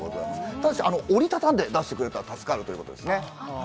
ただし、折り畳んで出してくれたら助かるということですね。